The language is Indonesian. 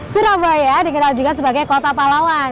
surabaya dikenal juga sebagai kota palawan